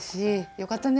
よかったね。